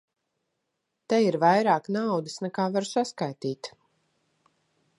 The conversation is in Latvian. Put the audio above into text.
Te ir vairāk naudas, nekā varu saskaitīt.